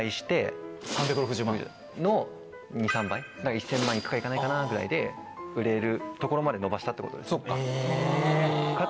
１０００万円行くか行かないかなぐらいで売れるところまで伸ばしたってことです。